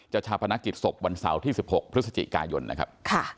ชาพนักกิจศพวันเสาร์ที่๑๖พฤศจิกายนนะครับ